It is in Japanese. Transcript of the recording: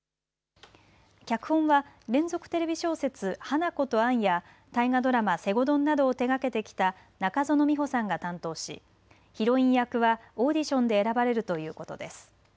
脚本は連続テレビ小説花子とアンや大河ドラマ、西郷どんなどを手がけてきた中園ミホさんが担当しヒロイン役はオーディションで選ばれるということです。